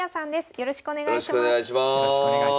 よろしくお願いします。